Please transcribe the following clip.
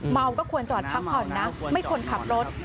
ก็ควรจอดพักผ่อนนะไม่ควรขับรถ